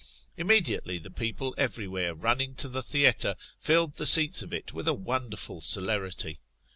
Immediately, the people every where running to the theatre, filled the seats of it with a wonderful celerity.